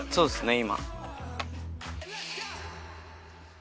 今。